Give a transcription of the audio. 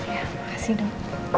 ya kasih dong